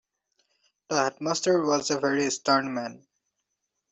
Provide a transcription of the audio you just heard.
The headmaster was a very stern man